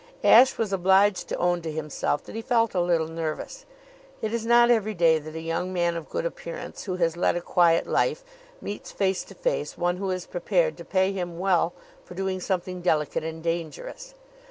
Ashe was obliged to own to himself that he felt a little nervous. It is not every day that a young man of good appearance, who has led a quiet life, meets face to face one who is prepared to pay him well for doing something delicate and dangerous.